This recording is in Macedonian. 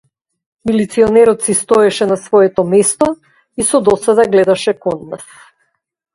Милиционерот си стоеше на своето место и со досада гледаше кон нас.